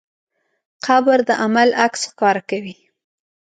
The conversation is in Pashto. قبر د عمل عکس ښکاره کوي.